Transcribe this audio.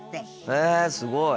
へえすごい！